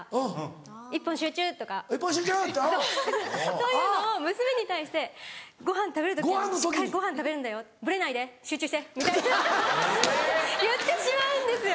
そういうのを娘に対してごはん食べる時でも「ごはん食べるんだよブレないで集中して」みたいな言ってしまうんですよ。